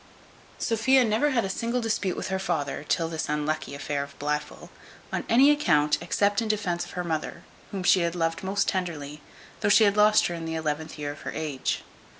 Sophia never had a single dispute with her father, till this unlucky affair of Blifil, on any account, except in defence of her mother, whom she had loved most tenderly, though she lost her in the eleventh year of her age.